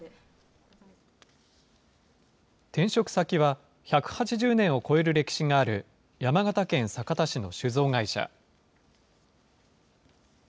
転職先は、１８０年を超える歴史がある、山形県酒田市の酒造会社。